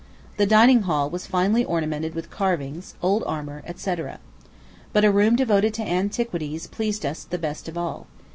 The dining hall was finely ornamented with carvings, old armor, &c. But a room devoted to antiquities pleased us the best of all.